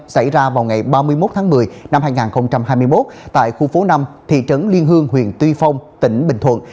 xảy ra vào ngày ba mươi một tháng một mươi năm hai nghìn hai mươi một tại khu phố năm thị trấn liên hương huyện tuy phong tỉnh bình thuận